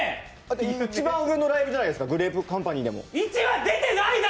一番上のライブじゃないですか、グレープカンパニーでも一番は出てないだろ！